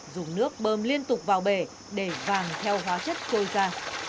dùng nước bơm liên tục vào bể để vàng theo hóa chất trôi ra